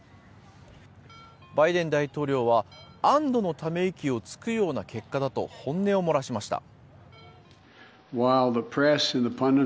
バイデン大統領は安どのため息をつくような結果だと本音を漏らしました。